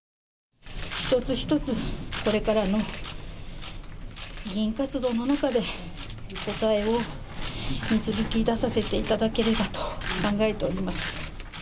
一つ一つ、これからの議員活動の中で答えを導き出させていただければと考えております。